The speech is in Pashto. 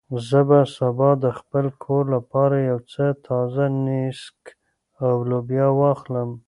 زه به سبا د خپل کور لپاره یو څه تازه نېسک او لوبیا واخلم.